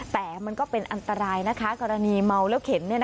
แต่มันก็เป็นอันตรายนะคะกรณีเมาแล้วเข็น